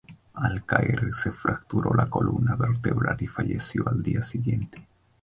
Al caer se fracturó la columna vertebral y falleció al día siguiente.